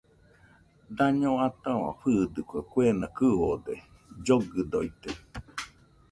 Daño ataua fɨɨdɨkue, kuena kɨode, llogɨdoite